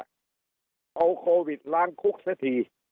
เอาโควิดล้างคุกเสียที